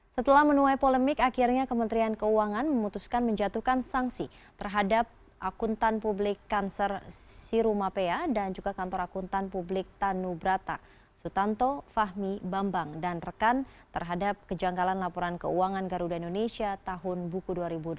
setelah menuai polemik akhirnya kementerian keuangan memutuskan menjatuhkan sanksi terhadap akuntan publik kanser siru mapea dan juga kantor akuntan publik tanubrata sutanto fahmi bambang dan rekan terhadap kejanggalan laporan keuangan garuda indonesia tahun buku dua ribu dua puluh